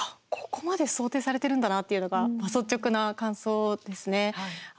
ここまで想定されてるんだなっていうのが率直な感想ですね。